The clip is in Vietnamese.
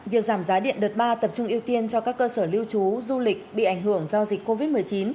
việc giảm giá điện đợt ba tập trung ưu tiên cho các cơ sở lưu trú du lịch bị ảnh hưởng do dịch covid một mươi chín